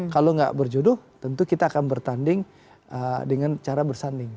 kalau nggak berjodoh tentu kita akan bertanding dengan cara bersanding